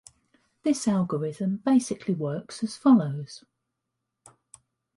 This algorithm basically works as follows.